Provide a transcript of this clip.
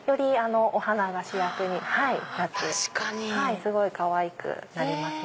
すごいかわいくなりますね。